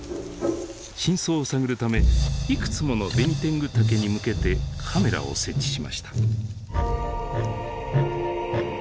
真相を探るためいくつものベニテングタケに向けてカメラを設置しました。